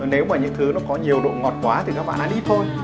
nếu mà những thứ nó có nhiều độ ngọt quá thì các bạn ăn ít thôi